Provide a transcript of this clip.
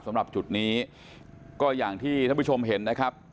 สำหรับจุดนี้ก็อย่างที่ท่านผู้ชมเห็นนะครับ